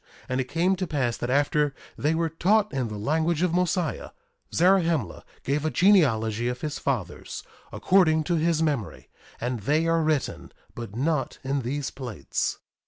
And it came to pass that after they were taught in the language of Mosiah, Zarahemla gave a genealogy of his fathers, according to his memory; and they are written, but not in these plates.